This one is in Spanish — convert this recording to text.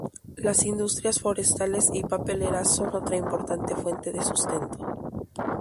Las industrias forestales y papeleras son otra importante fuente de sustento.